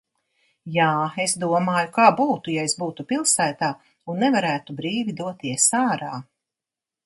Jā, es domāju, kā būtu, ja es būtu pilsētā un nevarētu brīvi doties ārā.